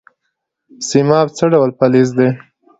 سیماب څه ډول فلز دی؟